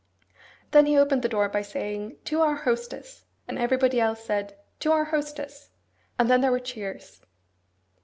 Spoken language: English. Then he opened the door by saying, 'To our hostess!' and everybody else said 'To our hostess!' and then there were cheers.